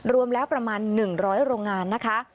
รวมแล้วประมาณ๑๐๐โรงงานนะคะ